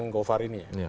yang govar ini ya